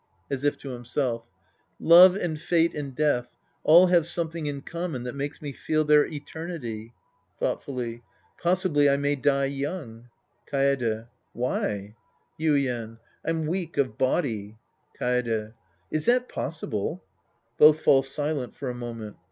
{As if to himself^ Love and fate and death all have something in common that makes me feel their eternity. {Thoughtfully.) Possibly I may die young. Kaede. Why? ,, a, ^^.C^ Yuien. I'm weak'ofibody. Kaede. Is that possible ? {Both fall silent for a moment!)